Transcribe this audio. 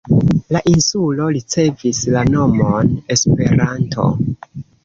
La insulo ricevis la nomon "Esperanto".